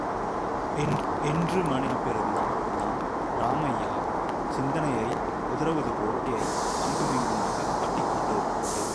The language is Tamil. என்று மனைவி சொன்ன பிறகுதான், ராமையா சிந்தனையை உதறுவதுபோல், தலையை, அங்குமிங்குமாக ஆட்டி கொண்டு.